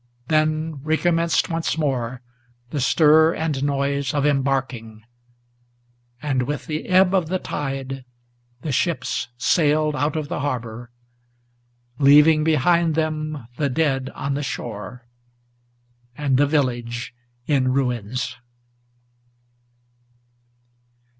Then recommenced once more the stir and noise of embarking; And with the ebb of the tide the ships sailed out of the harbor, Leaving behind them the dead on the shore, and the village in ruins.